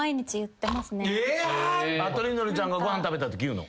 トリンドルちゃんがご飯食べたとき言うの？